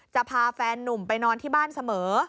จะพาแฟนนุ่มไปนอนที่บ้านเสมอ